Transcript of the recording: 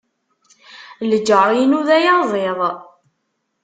Lǧar-inu d ayaẓiḍ.